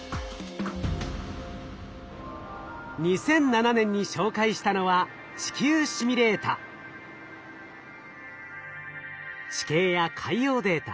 ２００７年に紹介したのは地形や海洋データ